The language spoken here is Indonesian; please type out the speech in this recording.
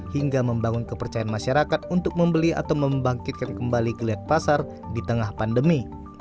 hingga membangun kepercayaan masyarakat untuk membeli atau membangkitkan kembali geliat pasar di tengah pandemi